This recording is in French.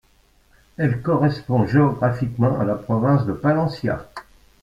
Elle correspond géographiquement à la province de Palencia.